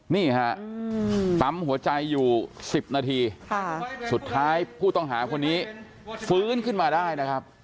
นี่ฮะปั๊มหัวใจอยู่๑๐นาทีสุดท้ายผู้ต้องหาคนนี้ฟื้นขึ้นมาได้นะครับ